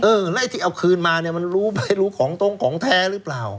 เออแล้วไอ้ที่เอาคืนมามันรู้ไปรู้ของตรงของแท้หรือเปล่า